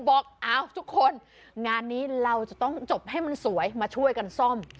บอกอ้าวทุกคนงานนี้เราจะต้องจบให้มันสวยมาช่วยกันซ่อม